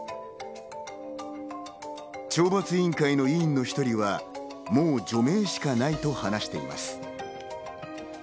懲罰委員会の委員の一人は、もう除名しかないと話しています。